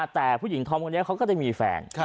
แต่ผู้หญิงธอมคนนี้เขาก็จะมีแฟน